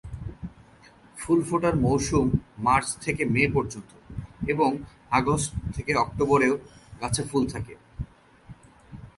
ফুল ফোটার মৌসুম মার্চ থেকে মে পর্যন্ত এবং আগস্ট-অক্টোবরেও গাছে ফুল থাকে।